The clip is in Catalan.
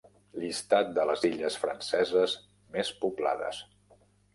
Llistat de les illes franceses més poblades.